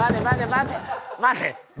待て！